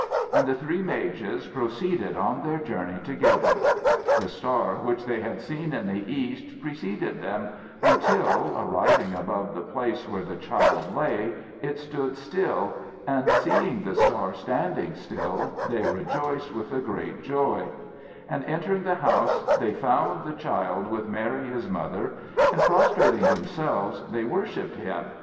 And the three mages proceeded on their journey together. The star which they had seen in the East preceded them until, arriving above the place where the child lay, it stood still. And seeing the star standing still they rejoiced with a great joy. And, entering the house they found the child with Mary his mother, and prostrating themselves, they worshipped him.